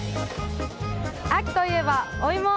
秋といえば、お芋。